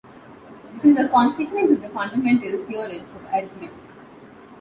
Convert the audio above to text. This is a consequence of the fundamental theorem of arithmetic.